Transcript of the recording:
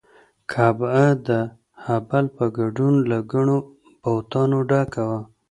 کعبه د هبل په ګډون له ګڼو بتانو ډکه وه.